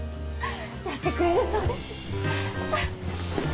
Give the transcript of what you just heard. やってくれるそうです。